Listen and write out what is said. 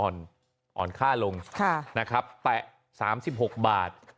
อ่อนอ่อนค่าลงค่ะนะครับแตะสามสิบหกบาท